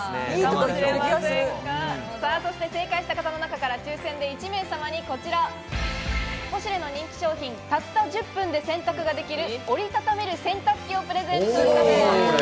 正解した方の中から抽選で１名様にこちらポシュレの人気商品、たった１０分で洗濯ができる、折りたためる洗濯機をプレゼントいたします。